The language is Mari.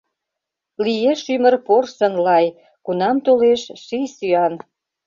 Лиеш ӱмыр порсын-лай, Кунам толеш ший сӱан.